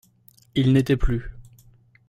Il n'était plus.